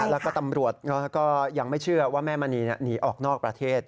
แล้วก็ตำรวจก็ยังไม่เชื่อว่าแม่มณีหนีออกนอกประเทศ